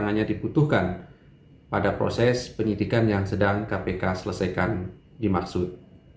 hanya dibutuhkan pada proses penyidikan yang sedang kpk selesaikan dimaksud